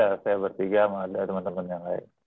ya saya bertiga sama ada teman teman yang lain